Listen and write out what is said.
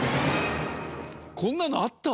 こんなのあった？